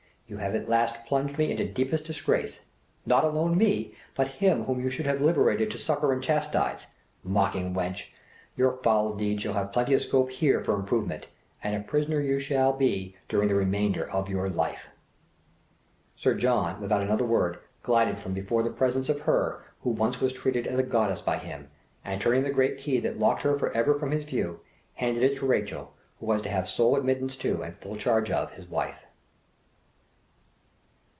You have at last plunged me into deepest disgrace, not alone me, but him whom you should have been liberated to succour and chastise. Mocking wretch! your foul deeds shall have plenty of scope here for improvement, and a prisoner you shall be during the remainder of your life." Sir John, without another word, glided from before the presence of her who once was treated as a goddess by him, and turning the great key that locked her for ever from his view, handed it to Rachel, who was to have sole admittance to, and full charge of, his wife.